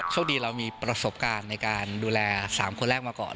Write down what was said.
โชคดีเรามีประสบการณ์ในการดูแล๓คนแรกมาก่อน